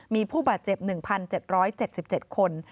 มีผู้บาดเจ็บ๑๗๗คน